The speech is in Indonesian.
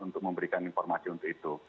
untuk memberikan informasi untuk itu